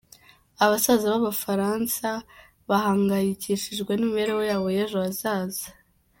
Abasaza bafaransa bahangayikishijwe n’imibereho y’abo y’ejo hazaza